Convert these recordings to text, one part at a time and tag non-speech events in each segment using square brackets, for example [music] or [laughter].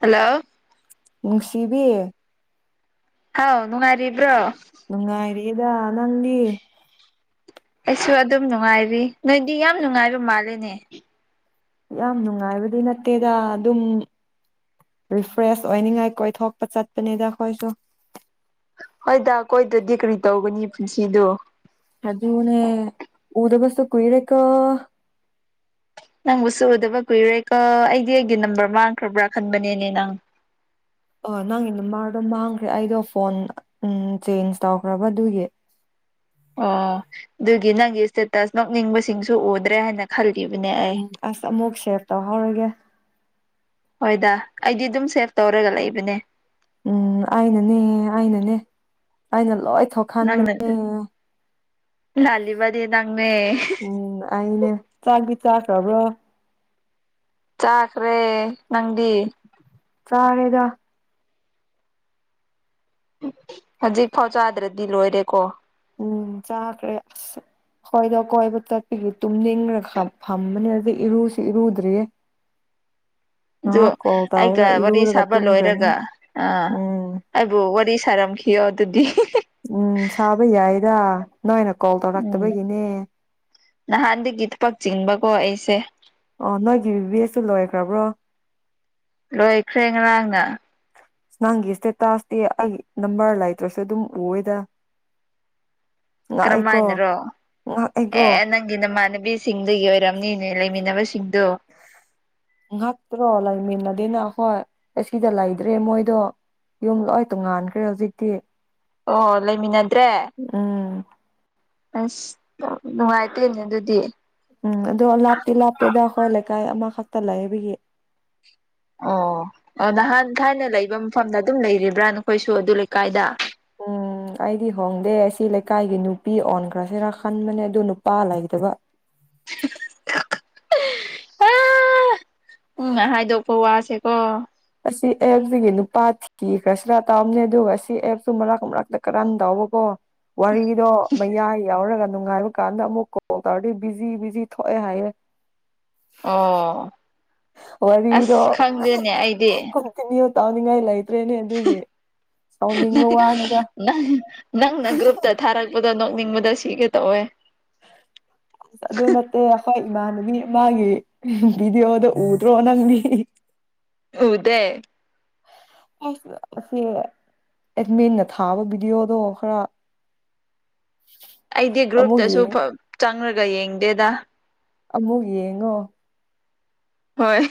Hello ꯅꯨꯡꯁꯤꯕꯤ ꯍꯥꯎ ꯅꯨꯡꯉꯥꯏꯔꯤꯕ꯭ꯔꯣ? ꯅꯨꯉꯥꯏꯔꯤꯗ ꯅꯪꯗꯤ? ꯑꯩꯁꯨ ꯑꯗꯨꯝ ꯅꯨꯡꯉꯥꯏꯔꯤ ꯅꯣꯏꯗꯤ ꯌꯥꯝ ꯅꯨꯡꯉꯥꯏꯕ ꯃꯥꯂꯦꯅꯦ꯫ ꯌꯥꯝ ꯅꯨꯡꯉꯥꯏꯕꯗꯤ ꯅꯠꯇꯦꯗ ꯑꯗꯨꯝ ꯔꯤꯐ꯭ꯔꯦꯁ ꯑꯣꯏꯅꯤꯉꯥꯏ ꯀꯣꯏꯊꯣꯛꯄ ꯆꯠꯄꯅꯤꯗ ꯑꯈꯣꯏꯁꯨ꯫ ꯍꯣꯏꯗ ꯀꯣꯏꯗ꯭ꯔꯗꯤ ꯀꯔꯤ ꯇꯧꯒꯅꯤ ꯄꯨꯟꯁꯤꯗꯨ꯫ ꯑꯗꯨꯅꯦ ꯎꯗꯕꯁ ꯀꯨꯏꯔꯦꯀꯣ ꯫ ꯅꯪꯕꯨꯁꯨ ꯎꯗꯕ ꯀꯨꯏꯔꯦꯀꯣ ꯑꯩꯗꯤ ꯑꯩꯒꯤ ꯅꯝꯕꯔ ꯃꯥꯡꯈ꯭ꯔꯕ꯭ꯔꯥ ꯈꯟꯕꯅꯦꯅꯦ ꯅꯪ꯫ ꯑꯣ ꯅꯪꯒꯤ ꯅꯝꯃꯥꯔꯗꯣ ꯃꯥꯡꯈ꯭ꯔꯦ ꯑꯩꯗꯣ ꯐꯣꯟ ꯎꯝ ꯆꯦꯟꯖ ꯇꯧꯈ꯭ꯔꯕ ꯑꯗꯨꯒꯤ꯫ ꯑꯣ ꯑꯗꯨꯒꯤ ꯅꯪꯒꯤ ꯏꯁꯇꯦꯇꯁ ꯅꯣꯛꯅꯤꯡꯕꯁꯤꯡꯁꯨ ꯎꯗ꯭ꯔꯦ ꯍꯥꯏꯅ ꯈꯜꯂꯤꯕꯅꯦ ꯑꯩ꯫ ꯎꯝ ꯑꯁ ꯑꯃꯨꯛ ꯁꯦꯞ ꯇꯧꯍꯧꯔꯒꯦ꯫ ꯍꯣꯏꯗ ꯑꯩꯗꯤ ꯑꯗꯨꯝ ꯁꯦꯞ ꯇꯧꯔꯒ ꯂꯩꯕꯅꯦ꯫ ꯎꯝ ꯑꯩꯅꯅꯤ ꯑꯩꯅꯅꯦ ꯑꯩꯅ ꯂꯣꯏ ꯊꯣꯛ ꯅꯪꯅ ꯂꯥꯜꯂꯤꯕꯗꯤ ꯅꯪꯅꯦ꯫ ꯎꯝ ꯑꯩꯅꯦ ꯆꯥꯛꯗꯤ ꯆꯥꯈ꯭ꯔꯕ꯭ꯔꯣ? ꯆꯥꯈ꯭ꯔꯦ ꯅꯪꯗꯤ? ꯆꯥꯔꯦꯗ ꯍꯧꯖꯤꯛ ꯐꯥꯎ ꯆꯥꯗ꯭ꯔꯗꯤ ꯂꯣꯏꯔꯦꯀꯣ꯫ ꯎꯝ ꯆꯥꯈ꯭ꯔꯦ ꯑꯁ ꯑꯈꯣꯏꯗ ꯀꯣꯏꯕ ꯆꯠꯄꯤꯒꯤ ꯇꯨꯝꯅꯤꯡꯕꯅ ꯈꯝ ꯐꯝꯕꯅꯦ ꯍꯧꯖꯤꯛ ꯏꯔꯨꯁꯤ ꯏꯔꯨꯗ꯭ꯔꯤꯌꯦ꯫ ꯑꯗꯨ ꯉꯥꯏꯍꯥꯛ ꯀꯣꯜ ꯑꯩꯒ ꯇꯧꯔꯒ ꯋꯥꯔꯤ ꯏꯔꯨꯔꯒ ꯁꯥꯕ ꯇꯨꯝꯈ꯭ꯔꯅꯤ ꯂꯣꯏꯔꯒ ꯑꯥ ꯎꯝ ꯑꯩꯕꯨ ꯋꯥꯔꯤ ꯁꯥꯔꯝꯈꯤꯌꯣ ꯑꯗꯨꯗꯤ ꯎꯝ ꯁꯥꯕ ꯌꯥꯏꯗ ꯅꯣꯏꯅ ꯀꯣꯜ ꯎꯝ ꯇꯧꯔꯛꯇꯕꯒꯤꯅꯦ꯫ ꯅꯍꯥꯟꯗꯒꯤ ꯊꯕꯛ ꯆꯤꯟꯕꯀꯣ ꯑꯩꯁꯦ꯫ ꯑꯣ ꯅꯣꯏꯒꯤ [unintelligible] ꯂꯣꯏꯈ꯭ꯔꯕ꯭ꯔꯣ ꯂꯣꯏꯈ꯭ꯔꯦ ꯉꯔꯥꯡꯅ꯫ ꯅꯪꯒꯤ ꯏꯁꯇꯦꯇꯥꯁꯇꯤ ꯑꯩ ꯅꯝꯕꯔ ꯂꯩꯇ꯭ꯔꯁꯨ ꯑꯗꯨꯝ ꯎꯌꯦꯗꯥ꯫ ꯉꯛꯑꯦꯀꯣ ꯉꯛꯑꯦꯀꯣ ꯒꯤ ꯅꯃꯥꯟꯅꯕꯤꯁꯤꯡꯗꯒꯤ ꯑꯣꯏꯔꯝꯅꯤꯅꯦ ꯂꯩꯃꯤꯟꯅꯕꯁꯤꯡꯗꯨ꯫ ꯉꯛꯇ꯭ꯔꯣ ꯂꯩꯃꯤꯟꯅꯗꯦꯅ ꯑꯈꯣꯏ ꯑꯁꯤꯗ ꯂꯩꯗ꯭ꯔꯦ ꯃꯣꯏꯗꯣ ꯌꯨꯝ ꯂꯣꯏ ꯇꯣꯡꯉꯥꯟꯈ꯭ꯔꯦ ꯍꯧꯖꯤꯛꯇꯤ꯫ ꯑꯣ ꯂꯩꯃꯤꯟꯅꯗ꯭ꯔꯦ ꯎꯝ ꯑꯁ ꯅꯨ ꯅꯨꯡꯉꯥꯏꯇꯦꯅꯦ ꯑꯗꯨꯗꯤ ꯎꯝ ꯑꯗꯣ ꯂꯥꯞꯇꯤ ꯂꯥꯞꯇꯦꯗ ꯑꯩꯈꯣꯏ ꯂꯩꯀꯥꯏ ꯑꯃꯈꯛꯇ ꯂꯩꯕꯒꯤ ꯑꯣ ꯑꯣ ꯅꯍꯥꯟ ꯊꯥꯏꯅ ꯂꯩꯕ ꯃꯐꯝꯗ ꯑꯗꯨꯝ ꯂꯩꯔꯤꯕ꯭ꯔꯥ ꯅꯈꯣꯏꯁꯨ ꯑꯗꯨ ꯂꯩꯀꯥꯏꯗ [inaudible] ꯎꯝ ꯑꯩꯗꯤ ꯍꯣꯡꯗꯦ ꯑꯁꯤ ꯂꯩꯀꯥꯏꯒꯤ ꯅꯨꯄꯤ ꯑꯣꯟꯈ꯭ꯔꯁꯤꯔ ꯈꯟꯕꯅꯦ ꯑꯗꯨ ꯅꯨꯄꯥ ꯂꯩꯇꯕꯥ ꯎꯪꯅꯥ ꯍꯥꯏꯗꯣꯛꯄ ꯋꯥꯁꯦꯀꯣ ꯑꯁꯤ ꯑꯦꯞꯖꯤꯒꯤ ꯅꯨꯄꯥꯥ ꯊꯤ ꯀꯤꯈ꯭ꯔꯁꯤꯔꯥ ꯇꯥꯕꯅꯦ ꯑꯗꯨꯒ ꯑꯁꯤ ꯑꯦꯞꯁꯨ ꯃꯔꯛ ꯃꯔꯥꯛꯇ ꯀꯥꯔꯟ ꯇꯧꯕꯀꯣ ꯋꯥꯔꯤꯗꯣ ꯃꯌꯥꯏ ꯌꯥꯎꯔꯒ ꯅꯨꯡꯉꯥꯏꯕ ꯀꯥꯟꯗ ꯑꯃꯨꯛ ꯀ‌ꯣꯜ ꯇꯧꯔꯗꯤ ꯕꯤꯖꯤ ꯕꯤꯖꯤ ꯊꯣꯑꯦ ꯍꯥꯏꯌꯦ ꯑꯣ ꯋꯥꯔꯤꯗꯣ ꯑꯁ ꯈꯪꯗꯦꯅꯦ ꯑꯩꯗꯤ ꯀꯟꯇꯤꯅ꯭ꯌꯨ ꯇꯥꯎꯅꯤꯡꯉꯥꯏ ꯂꯩꯇ꯭ꯔꯦꯅꯦ ꯑꯗꯨꯒꯤ ꯁꯥꯎꯅꯤꯡꯕ ꯅꯪ ꯋꯥꯅꯤꯗ ꯅꯪ ꯅꯪꯅ ꯒ꯭ꯔꯨꯞꯇ ꯊꯥꯔꯛꯄꯗꯣ ꯅꯣꯛꯅꯤꯡꯕꯗ ꯁꯤꯒꯦ ꯇꯧꯋꯦ ꯑꯁ ꯑꯗꯨꯅ ꯇ‌ꯦꯌꯥꯁꯥꯏ ꯏꯃꯥꯟꯅꯕꯤ ꯃꯥꯒꯤ ꯚꯤꯗꯤꯑꯣꯗ‌ꯣ ꯎꯗ꯭ꯔꯣ ꯅꯪꯗꯤ ꯎꯗꯦ ꯑꯩꯁꯨ ꯑꯁꯤ ꯑꯦꯠꯃꯤꯟꯅ ꯊꯥꯕ ꯚꯤꯗꯤꯑꯣꯗꯣ ꯈꯔ ꯑꯩꯗꯤ ꯑꯃꯨꯛ ꯒ꯭ꯔꯨꯞꯇꯁꯨ ꯌꯦꯡ ꯐ ꯆꯪꯔꯒ ꯌꯦꯡꯗꯦꯗꯥ ꯑꯃꯨ ꯌꯦꯡꯉꯣ ꯍꯣꯏ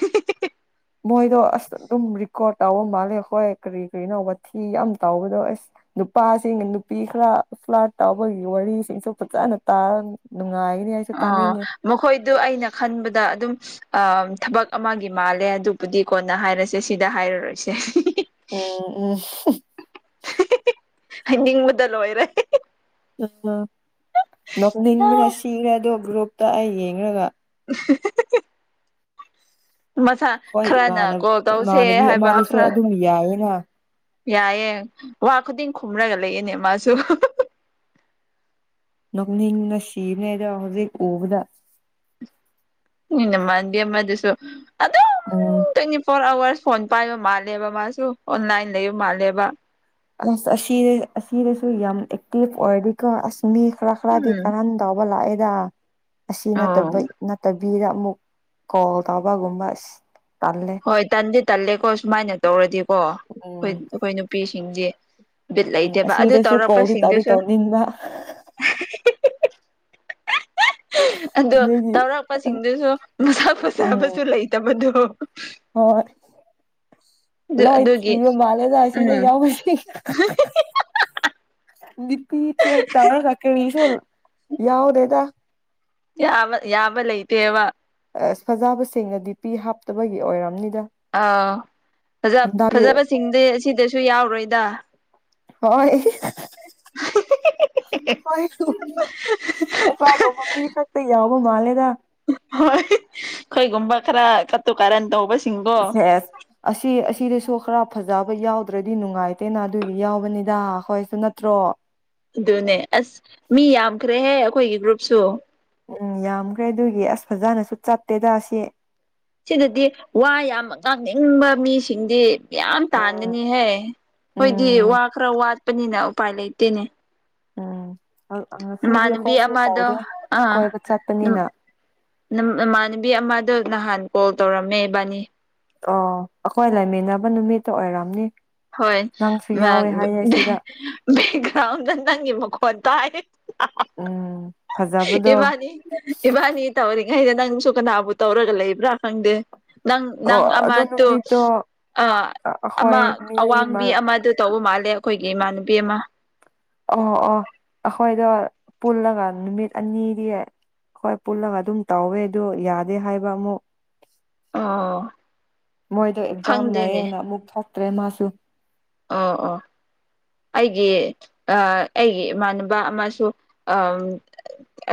ꯃꯣꯏꯗꯣ ꯑꯁ ꯑꯗꯨꯝ ꯔꯦꯀꯣꯔꯠ ꯇꯥꯎꯕ ꯃꯥꯜꯂꯦ ꯈ‌ꯣꯏ ꯀꯔꯤ ꯀꯔꯤꯅꯣ ꯋꯥꯊꯤ ꯌꯥꯝ ꯇꯥꯎꯕꯗꯣ ꯑꯁ ꯅꯨꯄꯥꯁꯤꯡꯒ ꯅꯨꯄꯤ ꯈꯔ ꯐ꯭ꯂꯠ ꯇꯥꯎꯕꯒꯤ ꯋꯥꯔꯤꯁꯤꯡꯁꯨ ꯐꯖꯅ ꯇꯥꯔꯝ [unintelligible] ꯅꯨꯡꯒꯥꯏꯒꯅꯤ ꯑꯩ ꯑꯣ ꯃꯈꯣꯏꯗꯨ ꯑꯩꯅ ꯈꯟꯕꯗ ꯑꯗꯨꯝ ꯑꯝ ꯊꯕꯛ ꯑꯃꯒꯤ ꯃꯥꯜꯂꯦ ꯑꯗꯨꯕꯨꯗꯤ ꯀꯣꯟꯅ ꯍꯥꯏꯔꯁꯦ ꯁꯤꯗ ꯍꯥꯏꯔꯔꯣꯏꯁꯦ ꯎꯝ ꯎꯝ ꯍꯥꯏꯅꯤꯡꯕꯗ ꯂꯣꯏꯔꯦ ꯎꯝ ꯅꯣꯛꯅꯤꯡꯕꯅ ꯁꯤꯈ꯭ꯔꯦ ꯑꯗꯣ ꯒ꯭ꯔꯨꯞꯇ ꯑꯩ ꯌꯦꯡꯔꯒ [unintelligible] ꯃꯁꯥ ꯍꯣꯏ ꯈꯔꯅ ꯏꯃꯥꯟꯅ ꯀꯣꯜ ꯇꯧꯁꯦ ꯏꯃꯥꯟꯅꯕꯤ ꯍꯥꯏꯕ ꯑꯃꯗꯁꯨ ꯈꯔ ꯑꯗꯨꯝ ꯌꯥꯏꯌꯦꯅ ꯌꯥꯏꯌꯦ ꯋꯥ ꯈꯨꯗꯤꯡ ꯈꯨꯝꯔꯒ ꯂꯩꯌꯦꯅꯦ ꯃꯥꯁꯨ ꯅ‌ꯣꯛꯅꯤꯡꯕꯅ ꯁꯤꯕꯅ‌‌ꯦ ꯗ‌ꯣ ꯍꯧꯖꯤꯛ ꯎꯕꯗ ꯅ‌ꯣꯏ ꯅꯃꯥꯟꯅꯕꯤ ꯑꯃꯗꯨꯁꯨ ꯑꯗꯨꯝ um twenty four hours phone ꯄꯥꯏꯕ ꯃꯥꯜꯂꯦꯕ ꯃꯥꯁꯨ ꯑꯣꯟꯂꯥꯏꯟ ꯂꯩꯕ ꯃꯥꯜꯂꯦꯕꯥ ꯑꯁ ꯑꯁꯤ ꯑꯁꯤꯗꯁꯨ ꯌꯥꯝ ꯑꯦꯛꯇꯤꯚ ꯑꯣꯏꯔꯗꯤꯀꯣ ꯑꯁ ꯃꯤ ꯈꯔ ꯈꯔꯗꯤ ꯎꯝ ꯀꯔꯟ ꯇꯧꯕ ꯂꯥꯛꯑꯦꯗꯥ ꯑꯁꯤ ꯑꯣ ꯅꯠꯇꯕꯩ ꯅꯠꯇ ꯕꯤꯗ ꯑꯃꯨꯛ ꯀꯣꯜ ꯇꯧꯕꯒꯨꯝꯕ ꯑꯁ ꯇꯜꯂꯦ ꯍꯣꯏ ꯇꯟꯗꯤ ꯇꯜꯂꯦꯀꯣ ꯁꯨꯃꯥꯏꯅ ꯇꯧꯔꯗꯤꯀꯣ ꯑꯩꯈꯣꯏ ꯎꯝ ꯑꯩꯈꯣꯏ ꯅꯨꯄꯤꯁꯤꯡꯗꯤ ꯕꯤꯠ ꯎꯝ ꯂꯩꯇꯦꯕ ꯑꯗꯨ ꯑꯁꯤꯗꯁꯨ ꯀꯣꯜꯗꯤ ꯇꯧꯗꯤ ꯇꯧꯔꯛꯄꯁꯤꯡꯗꯨꯁꯨ ꯇꯧꯅꯤꯡꯕ ꯑꯗꯣ ꯑꯗꯨꯒꯤ ꯇꯧꯔꯛꯄꯁꯤꯡꯗꯨꯁꯨ ꯃꯁꯛ ꯎꯝ ꯐꯖꯕꯁꯨ ꯂꯩꯇꯕꯗꯣ [unintelligible] ꯍꯣꯏ ꯑꯗꯨ ꯂꯣꯏ ꯑꯗꯨꯒꯤ ꯊꯤꯕ ꯃꯥꯜꯂꯦꯗꯥ ꯑꯁꯤꯗ ꯎꯝ ꯌꯥꯎꯕꯁꯤ [unintelligible] ꯄꯤ ꯆ‌ꯦꯛ ꯇꯧꯔꯒ ꯀꯔꯤꯁꯨ ꯌꯥꯎꯗꯦꯗꯥ ꯌꯥꯕ ꯌꯥꯕ ꯂꯩꯇꯦꯕꯥ ꯑꯁ ꯐꯖꯕꯁꯤꯡꯅ ꯗꯤ ꯄꯤ ꯍꯥꯞꯇꯕꯒꯤ ꯑꯣꯏꯔꯝꯅꯤꯗ ꯑꯥꯎ ꯐꯖ ꯍꯟꯗꯛꯀꯤ ꯐꯖꯕꯁꯤꯡꯗꯤ ꯑꯁꯤꯗꯁꯨ ꯌꯥꯎꯔꯣꯏꯗ ꯍꯣꯏ [unintelligible] ꯑꯩꯈꯣꯏꯒꯨꯝꯕ ꯃꯤ ꯈꯛꯇ ꯌꯥꯎ ꯨ ꯕ ꯃꯥꯜꯂꯦꯗ ꯍꯣꯏ ꯑꯩꯈꯣꯏꯒꯨꯝꯕ ꯈꯔ ꯀꯥꯇꯨ ꯀꯥꯔꯟ ꯇꯧꯕ ꯁꯦꯁ ꯑꯁꯤ ꯑꯁꯤꯗꯁꯨ ꯈꯔ ꯐꯖꯕ ꯌꯥꯎꯗ꯭ꯔꯗꯤ ꯅꯨꯡꯉꯥꯏꯇꯦꯅ ꯑꯗꯨꯒꯤ ꯌꯥꯎꯕꯅꯤꯗ ꯑꯈꯣꯏꯁꯨ ꯅꯠꯇ꯭ꯔꯣ ꯑꯗꯨꯅꯦ ꯑꯁ ꯃꯤ ꯌꯥꯝꯈ꯭ꯔꯦꯍꯦ ꯑꯩꯈꯣꯏꯒꯤ ꯒ꯭ꯔꯨꯞꯁꯨ ꯎꯝ ꯌꯥꯝꯈ꯭ꯔꯦ ꯑꯗꯨꯒꯤ ꯑꯁ ꯐꯖꯅꯁꯨ ꯆꯠꯇꯦꯗ ꯑꯁꯤ ꯁꯤꯗꯗꯤ ꯋꯥ ꯌꯥꯝꯅ ꯉꯥꯡꯅꯤꯡꯕ ꯃꯤꯁꯤꯡꯗꯤ ꯌꯥꯝ ꯎꯝ ꯇꯥꯟꯒꯅꯤꯍꯦ ꯈꯣꯏꯗꯤ ꯎꯝ ꯋꯥ ꯈꯔ ꯋꯥꯠꯄꯅꯤꯅ ꯎꯄꯥꯏ ꯂꯩꯇꯦꯅꯦ ꯎꯝ ꯉꯁꯤꯗꯤ ꯏꯃꯥꯟꯅꯕꯤ ꯑꯩꯈꯣꯏꯁꯨ ꯑꯃꯗꯣ ꯇꯧꯗꯦ ꯑꯥ ꯀꯣꯏꯕ [unintelligible] ꯆꯠꯄꯅꯤꯅ ꯅꯝ ꯅꯃꯥꯟꯅꯕꯤ ꯑꯃꯗꯣ ꯅꯍꯥꯟ ꯀꯣꯜ ꯇꯧꯔꯝꯃꯦ ꯏꯕꯥꯅꯤ ꯑꯣ ꯑꯈꯣꯏ ꯂꯩꯃꯤꯟꯅꯕ ꯅꯨꯃꯤꯠꯇꯣ ꯑꯣꯏꯔꯝꯅꯤ ꯍꯣꯏ ꯅꯪꯁꯨ ꯌꯥꯎꯋꯦ ꯍꯥꯏꯌꯦ ꯁꯤꯗ [unintelligible] ꯕꯦꯛꯒ꯭ꯔꯥꯎꯟꯗ ꯅꯪꯒꯤ ꯃꯈꯣꯟ ꯇꯥꯏ ꯎꯝ ꯐꯖꯕꯗꯣ ꯏꯕꯥꯅꯤ ꯏꯕꯥꯅꯤ ꯇꯧꯔꯤꯉꯩꯗ ꯅꯪꯁꯨ ꯀꯅꯥꯕꯨ ꯇꯧꯔꯒ ꯂꯩꯕ꯭ꯔꯥ ꯈꯪꯗꯦ ꯅꯪ ꯅꯪ ꯑꯣ ꯑꯃ ꯑꯗꯨ ꯇꯨ ꯅꯨꯃꯤꯠꯇꯣ ꯑꯥ ꯑꯃ ꯑꯩꯈꯣꯏ ꯃꯤ ꯃꯥꯗꯨ ꯇꯧꯕ ꯃꯥꯜꯂꯦ ꯑꯈꯣꯏꯒꯤ ꯏꯃꯥꯟꯅꯕꯤ ꯑꯃ ꯑꯣ ꯑꯣ ꯑꯈꯣꯏꯗꯣ ꯄꯨꯜꯂꯒ ꯅꯨꯃꯤꯠ ꯑꯅꯤꯗꯤ ꯑꯈꯣꯏ ꯄꯨꯜꯂꯒ ꯑꯗꯨꯝ ꯇꯧꯋꯦ ꯑꯗꯨ ꯌꯥꯗꯦ ꯍꯥꯏꯕ ꯑꯃꯨꯛ ꯑꯣ ꯃꯣꯏꯗꯣ ꯑꯦꯛꯖꯥꯝ ꯈꯪꯗꯦꯅꯦ ꯂꯩꯌꯦꯅ ꯑꯃꯨꯛ ꯊꯛꯇ꯭ꯔꯦ ꯃꯥꯁꯨ ꯑꯣ ꯑꯣ ꯑꯩꯒꯤ ꯑꯥ ꯑꯩꯒꯤ ꯏꯃꯥꯟꯅꯕ ꯑꯃꯁꯨ ꯑꯝ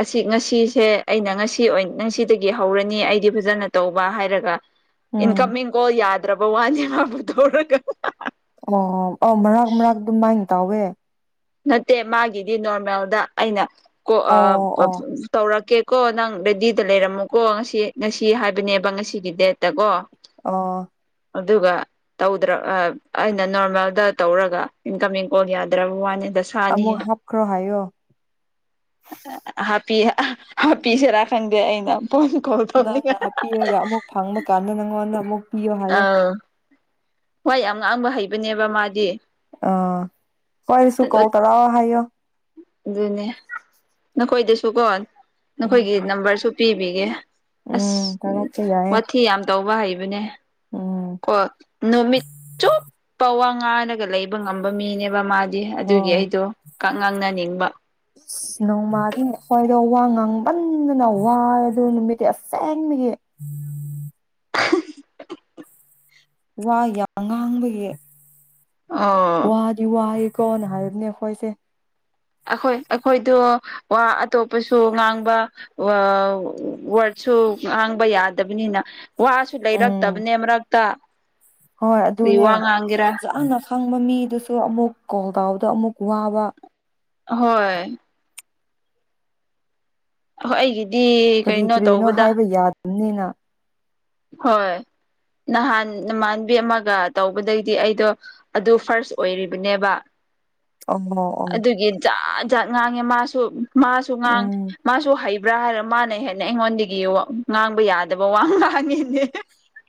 ꯑꯁꯤ ꯉꯁꯤꯁꯦ ꯑꯩꯅ ꯉꯁꯤ ꯑꯣꯏꯟ ꯉꯁꯤꯗꯒꯤ ꯍꯧꯔꯅꯤ ꯑꯩꯗꯤ ꯐꯖꯅ ꯇꯧꯕ ꯍꯥꯏꯔꯒ ꯎꯝ ꯏꯟꯀꯝꯃꯤꯡ ꯀꯣꯜ ꯌꯥꯗ꯭ꯔꯕ ꯋꯥꯅꯤ ꯃꯥꯕꯨ ꯇꯧꯔꯒ ꯑꯣ ꯑꯣ ꯃꯔꯛ ꯃꯔꯛ ꯑꯗꯨꯝꯃꯥꯏꯅ ꯇꯧꯋꯦ ꯅꯠꯇꯦ ꯃꯥꯒꯤꯗꯤ ꯅꯣꯔꯃꯦꯜꯗ ꯑꯩꯅ ꯀꯣ ꯑꯥ ꯑꯣ ꯑꯣ [unintelligible] ꯇꯧꯔꯛꯀꯦꯀꯣ ꯅꯪ ꯔꯦꯗꯤꯗ ꯂꯩꯔꯝꯃꯨꯀꯣ ꯉꯁꯤ ꯉꯁꯤ ꯍꯥꯏꯕꯅꯦꯕ ꯉꯁꯤꯒꯤ ꯗꯦꯠꯇ ꯀꯣ ꯑꯣ ꯑꯗꯨꯒ ꯇꯧꯗ꯭ꯔ ꯑ ꯑꯩꯅ ꯅꯣꯔꯃꯦꯜꯗ ꯇꯧꯔꯒ ꯏꯟꯀꯃꯤꯡ ꯀꯣꯜ ꯌꯥꯗ꯭ꯔꯕ ꯋꯥꯅꯤ ꯗꯁꯥꯅꯤꯍꯦ ꯑꯃꯨꯛ ꯍꯥꯞꯈ꯭ꯔꯣ ꯍꯥꯏꯌꯣ ꯑ ꯍꯥꯄꯤ ꯑ ꯍꯥꯄꯤꯁꯤꯔꯥ ꯈꯪꯗꯦ ꯑꯩꯅ ꯐꯣꯟ ꯀꯣꯜ ꯅꯪꯅ ꯇꯧꯅꯤꯡꯉꯥꯏ ꯍꯥꯞꯄꯤꯔꯒ ꯑꯃꯨꯛ ꯐꯪꯕ ꯀꯥꯟꯗ ꯅꯪꯉꯣꯟꯗ ꯑꯃꯨꯛ ꯄꯤꯌꯣ ꯍꯥꯏꯌꯣ ꯑꯥꯎ ꯋꯥ ꯌꯥꯝ ꯉꯥꯡꯕ ꯍꯩꯕꯅꯦꯕ ꯃꯥꯗꯤ ꯑ ꯑꯈꯣꯏꯁꯨ ꯀꯣꯜ ꯇꯧꯔꯛꯑꯣ ꯍꯥꯏꯌꯣ ꯑꯗꯨꯅꯦ ꯅꯈꯣꯏꯗꯁꯨꯀꯣ ꯅꯈꯣꯏꯒꯤ ꯎꯝ ꯅꯝꯕꯔꯁꯨ ꯄꯤꯕꯤꯒꯦ ꯑꯁ ꯎꯝ ꯇꯧꯔꯛꯄ ꯌꯥꯏꯌꯦ ꯋꯥꯊꯤ ꯌꯥꯝ ꯇꯧꯕ ꯍꯩꯕꯅꯦ ꯎꯝ ꯀꯣ ꯅꯨꯃꯤꯠ ꯆꯨꯞꯄ ꯋꯥ ꯉꯥꯡꯔꯒ ꯂꯩꯕ ꯕ ꯉꯝꯕ ꯃꯤꯅꯦꯕ ꯃꯥꯗꯤ ꯑꯗꯨꯒꯤ ꯑꯣ ꯑꯩꯗꯣ ꯀꯛ ꯉꯥꯡꯅꯅꯤꯡꯕ ꯅꯣꯡꯃꯥꯗꯤ ꯑꯈꯣꯏꯗꯣ ꯋꯥ ꯉꯥꯡꯃꯟꯗꯅ ꯋꯥꯏ ꯑꯗꯨ ꯅꯨꯃꯤꯠꯇꯤ ꯑꯁꯦꯡꯕꯒꯤ [inaudible] [inaudible] ꯋꯥ ꯌꯥꯝ ꯉꯥꯡꯕꯒꯤ ꯑꯣ ꯋꯥꯗꯤ ꯋꯥꯏꯀꯣꯅ ꯍꯥꯏꯕꯅꯦ ꯑꯩꯈꯣꯏꯁꯦ ꯑꯩꯈꯣꯏ ꯑꯩꯈꯣꯏꯗꯣ ꯋꯥ ꯑꯇꯣꯞꯄꯁꯨ ꯉꯥꯡꯕ ꯋꯥꯔꯗꯁꯨ ꯉꯥꯡꯕ ꯌꯥꯗꯕꯅꯤꯅ ꯋꯥꯁꯨ ꯎꯝ ꯂꯩꯔꯛꯇꯕꯅꯦ ꯃꯔꯛꯇ ꯍꯣꯏ ꯀꯔꯤ ꯑꯗꯨꯅꯦ ꯋꯥ ꯉꯥꯡꯒꯦꯔꯥ ꯑꯣꯖꯥꯅ ꯈꯪꯕ ꯃꯤꯗꯨꯁꯨ ꯑꯃꯨꯛ ꯀꯧꯗꯕꯗ ꯑꯃꯨꯛ ꯋꯥꯕ ꯍꯣꯏ ꯑꯣ ꯑꯩꯒꯤꯗꯤ ꯀꯩꯅꯣ ꯇꯧꯕꯗ ꯅꯤꯅ ꯍꯣꯏ ꯅꯍꯥꯟ ꯅꯃꯥꯟꯕꯤ ꯑꯃꯒ ꯇꯧꯕꯗꯩꯗꯤ ꯑꯩꯗꯣ ꯑꯗꯨ ꯐꯥꯔꯁ ꯑꯣꯏꯔꯤꯕꯅꯦꯕ ꯑꯣ ꯑꯣ ꯑꯗꯨꯒꯤ ꯖꯥꯠ ꯖꯥꯠ ꯉꯥꯡꯉꯦ ꯃꯥꯁꯨ ꯃꯥꯁꯨ ꯉꯥꯡ ꯎꯝ ꯃꯥꯁꯨ ꯍꯩ ꯕ꯭ꯔꯥ ꯍꯥꯏꯔ ꯃꯥꯅ ꯍꯦꯟꯅ ꯑꯩꯉꯣꯟꯗꯒꯤ ꯉꯥꯡꯕ ꯌꯥꯗꯕ ꯋꯥ ꯉꯥꯡꯉꯦꯅꯦ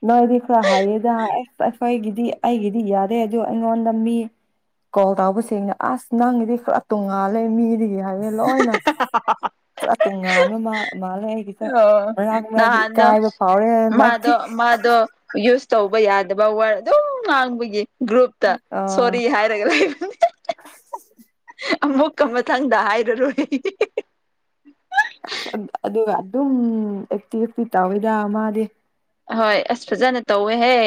ꯅꯣꯏꯗꯤ ꯈꯔ ꯍꯥꯏꯌꯦꯗ ꯑꯁ ꯑꯩꯈꯣꯏꯒꯤꯗꯤ ꯑꯩꯒꯤꯗꯤ ꯌꯥꯔꯦ ꯑꯗꯨ ꯑꯩꯉꯣꯟꯗ ꯃꯤ ꯀꯣꯜ ꯇꯥꯎꯕꯁꯤꯡꯅ ꯑꯁ ꯅꯪꯒꯤꯗꯤ ꯄꯨꯔꯥ ꯇꯣꯡꯉꯥꯜꯂꯦ ꯃꯤꯗꯒꯤ ꯍꯥꯏꯔꯦ ꯂꯣꯏꯅ ꯄꯨꯔꯥ ꯇꯣꯉꯥꯟꯕ ꯃꯥꯜꯂꯦ ꯑꯩ ꯑꯣ ꯅꯍꯥꯟꯗꯣ ꯐꯥꯎꯔꯦ ꯍꯟꯗꯛꯇꯤ ꯃꯥꯗꯣ ꯃꯥꯗꯣ ꯌꯨꯁ ꯇꯧꯕ ꯌꯥꯗꯕ ꯋꯥꯔꯗ ꯑꯗꯨꯝ ꯉꯥꯡꯕꯒꯤ ꯒ꯭ꯔꯨꯞꯇ ꯑꯥ ꯁꯣꯔꯤ ꯍꯥꯏꯔꯒ ꯂꯩꯕꯅꯦ ꯑꯃꯨꯛꯀ ꯃꯊꯪꯗ ꯍꯥꯏꯔꯔꯣꯏ ꯑꯗꯨꯒ ꯑꯗꯨꯝ ꯑꯦꯛꯇꯤꯑꯦꯞ ꯇ ꯇꯧꯋꯤꯗ ꯃꯥꯗꯤ ꯑꯍꯣꯏ ꯑꯁ ꯐꯖꯅ ꯇꯧꯋꯦꯍꯦ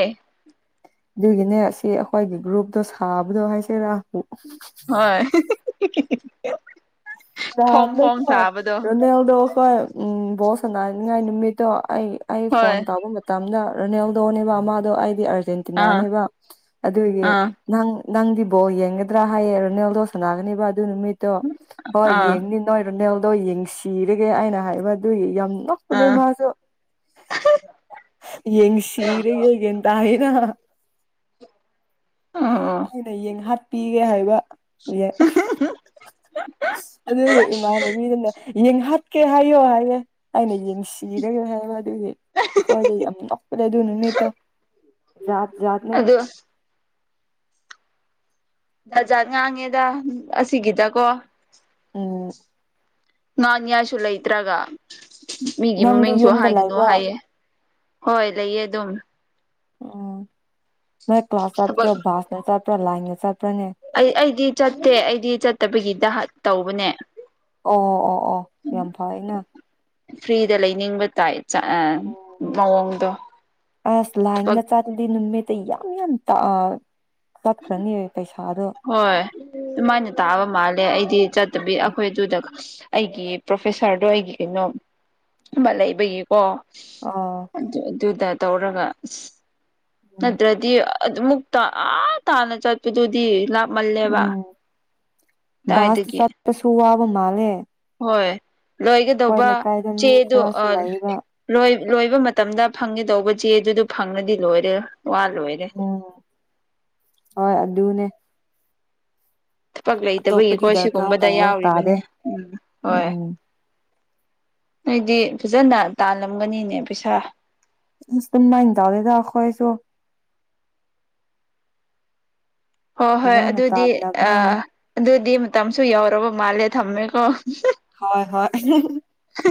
ꯑꯗꯨꯒꯤꯅꯦ ꯁꯤ ꯑꯩꯈꯣꯏꯒꯤ ꯒ꯭ꯔꯨꯞꯇꯣ ꯁꯥꯕꯗꯣ ꯍꯥꯏꯁꯦꯔꯥ ꯍꯣꯏ ꯐꯣꯡ ꯐꯣꯡ ꯌꯥꯗ꯭ꯔꯦꯀꯣ ꯁꯥꯕꯗꯣ ꯔꯣꯅꯥꯜꯗꯣ ꯍꯣꯏ ꯕꯣꯜ ꯁꯥꯟꯅꯅꯤꯡꯉꯥꯏ ꯅꯨꯃꯤꯠꯇꯣ ꯑꯩ ꯑꯩ ꯐꯣꯟ ꯍꯣꯏ ꯇꯧꯕ ꯇꯥꯝꯅ ꯔꯣꯅꯦꯜꯗꯣꯅꯦꯕ ꯑꯃꯥꯗꯣ ꯑꯩꯗꯤ ꯑꯥ ꯑꯥꯔꯖꯦꯟꯇꯤꯅꯥꯅꯦꯕ ꯑꯗꯨꯒꯤ ꯑꯥ ꯅꯪ ꯅꯪꯗꯤ ꯕꯣꯜ ꯌꯦꯡꯒꯗ꯭ꯔꯥ ꯍꯥꯏꯌꯦ ꯔꯣꯅꯦꯜꯗꯣ ꯁꯥꯟꯅꯥꯒꯅꯦꯕ ꯑꯗꯨ ꯅꯨꯃꯤꯠꯇꯣ ꯍꯣꯏ ꯑꯥ ꯌꯦꯡꯅꯤ ꯅꯣꯏ ꯔꯨꯅꯦꯜꯗꯣ ꯌꯦꯡ ꯁꯤꯔꯒꯦ ꯑꯩꯅ ꯍꯥꯏꯕ ꯑꯗꯨꯒꯤ ꯌꯥꯝ ꯅꯣꯛ ꯑꯗꯣ ꯑꯥ ꯃꯥꯁꯨ ꯌꯦꯡ ꯁꯤꯔꯒꯦ ꯌꯦꯟ ꯇꯥꯏꯗꯅ ꯑꯣ ꯑꯩꯅ ꯌꯦꯟ ꯍꯥꯠꯄꯤꯒꯦ ꯍꯥꯏꯕ ꯑꯁ ꯑꯗꯨꯒ ꯏꯃꯥꯟꯅꯕꯤꯗꯨꯅ ꯌꯦꯟ ꯍꯥꯠꯀꯦ ꯍꯥꯏꯌꯣ ꯍꯥꯏꯌꯦ ꯑꯩꯅ ꯌꯦꯡꯁꯤ ꯁꯤꯔꯒꯦ ꯍꯥꯏꯔꯑꯗꯨꯒꯤ ꯑꯩꯈꯣꯏꯗꯤ ꯌꯥꯝ ꯅꯣꯛꯄꯅꯦ ꯑꯗꯨꯅꯅꯤꯇꯣ ꯖꯥꯠ ꯖꯥꯠꯅꯦ ꯑꯗꯨ ꯖꯥꯠ ꯖꯥꯠ ꯉꯥꯡꯉꯦꯗ ꯑꯁꯤꯒꯤꯗꯀꯣ ꯎꯝ ꯉꯥꯡꯅꯤꯡꯉꯏꯁꯨ ꯂꯩꯇ꯭ꯔꯒ ꯃꯤꯒꯤ ꯅꯪꯗꯤ ꯃꯃꯤꯡꯁꯨ ꯌꯨꯝꯗ ꯍꯥꯏꯒꯅꯨ ꯂꯩꯕ꯭ꯔꯣ ꯍꯥꯏꯌꯦ ꯍꯣꯏ ꯂꯩꯌꯦ ꯑꯗꯨꯝ ꯎꯝ ꯅꯣꯏ ꯀ꯭ꯂꯥꯁ ꯆꯠꯄꯗꯣ ꯊꯕꯛ ꯕꯥꯁꯅ ꯆꯠꯄ꯭ꯔꯥ ꯂꯥꯏꯟꯗ ꯆꯠꯄ꯭ꯔꯥꯅꯦ ꯑꯩ ꯑꯩꯗꯤ ꯆꯠꯇꯦ ꯑꯩꯗꯤ ꯆꯠꯇꯕꯒꯤꯗ ꯇꯧꯕꯅꯦ ꯑꯣ ꯑꯣ ꯑꯣ ꯑꯣ ꯌꯥꯝ ꯐꯩꯌꯦꯅ ꯐ꯭ꯔꯤꯗ ꯂꯩꯅꯤꯡꯕ ꯇꯥꯏ ꯎꯝ ꯃꯑꯣꯡꯗꯣ ꯊꯕꯛ ꯑꯗꯨꯗꯤ ꯅꯨꯃꯤꯠꯇ ꯌꯥꯝ ꯌꯥꯝ ꯇꯠꯈ꯭ꯔꯅꯤ ꯄꯩꯁꯥꯗꯣ ꯍꯣꯏ ꯑꯗꯨꯃꯥꯏꯅ ꯇꯥꯕ ꯃꯥꯜꯂꯦ ꯑꯩꯗꯤ ꯆꯠꯇꯕꯤ ꯑꯩꯈꯣꯏ ꯑꯗꯨꯗ ꯑꯩꯒꯤ ꯄ꯭ꯔꯣꯐꯦꯁꯥꯔꯗꯣ ꯑꯩꯒꯤ ꯀꯩꯅꯣ ꯑꯃ ꯂꯩꯕꯒꯤꯀꯣ ꯑꯥ ꯑꯗꯨ ꯑꯗꯨꯗ ꯇꯧꯔꯒ ꯑꯁ ꯎꯝ ꯅꯠꯇ꯭ꯔꯗꯤ ꯑꯗꯨꯃꯨꯛꯇ ꯑꯑ ꯇꯥꯟꯅ ꯆꯠꯄꯗꯨꯗꯤ ꯂꯥꯞꯃꯜꯂꯦꯕ ꯕꯁꯇ ꯑꯗꯥꯏꯗꯒꯤ ꯆꯠꯄꯁꯨ ꯋꯥꯕ ꯃꯥꯂꯦ ꯍꯣꯏ ꯂꯣꯏꯒꯗꯧꯕ ꯃꯤ ꯆꯦꯗꯣ ꯈꯔꯁꯨ ꯑ ꯂꯩꯌꯦꯕ ꯂꯣꯏ ꯂꯣꯏꯕ ꯃꯇꯝꯗ ꯐꯪꯒꯗꯧꯕ ꯆꯦ ꯑꯗꯨꯗ ꯐꯪꯉꯗꯤ ꯂꯣꯏꯔꯦ ꯋꯥ ꯂꯣꯏꯔꯦ ꯎꯝ ꯍꯣꯏ ꯑꯗꯨꯅꯦ ꯄꯛ ꯂꯩꯇꯕꯒꯤꯀꯣ ꯑꯇꯣꯞꯄꯗꯤ ꯗꯔꯀꯥꯔ ꯁꯤꯒꯨꯝꯕꯗ ꯇꯥꯏꯕ ꯌꯥꯎꯔꯤꯕꯅꯤ ꯇꯥꯗꯦ ꯎꯝ ꯍꯣꯏ ꯎꯝ ꯅꯣꯏꯗꯤ ꯐꯖꯅ ꯇꯥꯜꯂꯝꯒꯅꯤꯅꯦ ꯄꯩꯁꯥ ꯑ ꯑꯗꯨꯃꯥꯏꯅ ꯇꯧꯗꯦꯗ ꯑꯈꯣꯏꯁꯨ ꯍꯣꯏ ꯍꯣꯏ ꯑꯣꯖꯥꯅ ꯑꯗꯨꯗꯤ ꯑ ꯇꯥꯟꯅꯕꯅꯦ ꯑꯗꯨꯗꯤ ꯃꯇꯝꯁꯨ ꯌꯧꯔꯕ ꯃꯥꯜꯂꯦ ꯊꯝꯃꯦꯀꯣ ꯍꯣꯏ ꯍꯣꯏ ꯍ